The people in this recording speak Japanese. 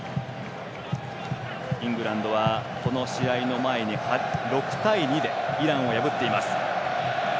イングランドは、この試合の前に６対２でイランを破っています。